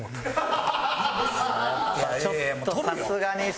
ちょっとさすがにっすね。